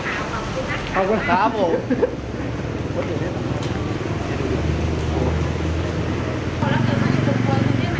แต่ในเมื่อเขาเอาเกียบเราแบบนี้เราก็ไม่ยอม